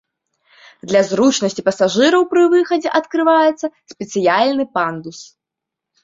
Для зручнасці пасажыраў пры выхадзе адкрываецца спецыяльны пандус.